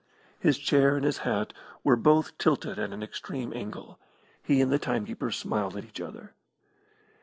His chair and his hat were both tilted at an extreme angle; he and the timekeeper smiled at each other.